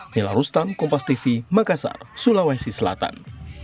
nila rustam kompastv makassar sulawesi selatan